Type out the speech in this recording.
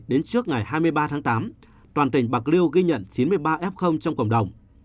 trước ngày hai mươi ba tám toàn tỉnh bạc liêu ghi nhận chín mươi ba f trong cộng đồng